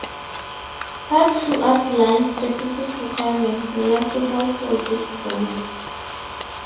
Part two outlines specific requirements needed to fulfill this goal.